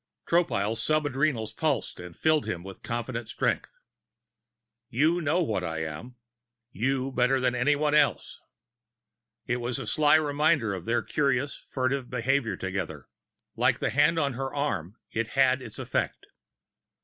Tropile's sub adrenals pulsed and filled him with confident strength. "You know what I am you better than anyone else." It was a sly reminder of their curious furtive behavior together; like the hand on her arm, it had its effect.